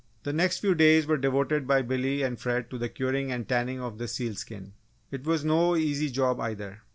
The next few days were devoted by Billy and Fred to the curing and tanning of the seal skin. It was no easy job, either!